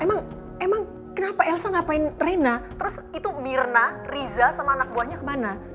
emang emang kenapa elsa ngapain rina terus itu mirna riza sama anak buahnya kemana